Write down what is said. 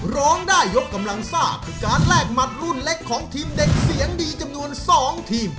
ร้องได้ยกกำลังซ่าคือการแลกหมัดรุ่นเล็กของทีมเด็กเสียงดีจำนวน๒ทีม